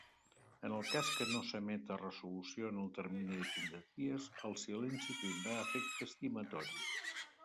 En el cas que no s'emeta resolució en el termini de quinze dies, el silenci tindrà efecte estimatori.